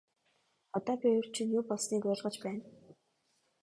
Одоо би урьд шөнө юу болсныг ойлгож байна.